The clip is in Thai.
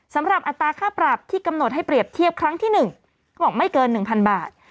สำหรับอัตราค่าปรับที่กำหนดให้เปรียบเทียบครั้งที่หนึ่งไม่เกิน๑๐๐๐บาท